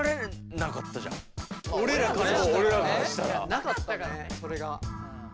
なかったからねそれが。